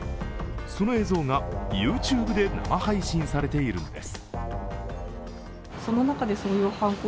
その映像がＹｏｕＴｕｂｅで生配信されているんです。